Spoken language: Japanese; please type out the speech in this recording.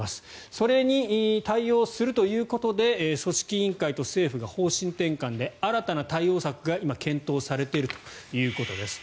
それに対応するということで組織委員会と政府が方針転換で新たな対応策が今検討されているということです。